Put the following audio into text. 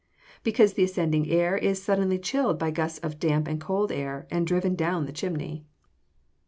_ Because the ascending air is suddenly chilled by gusts of damp and cold air, and driven down the chimney.